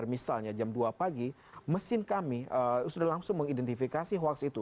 misalnya jam dua pagi mesin kami sudah langsung mengidentifikasi hoax itu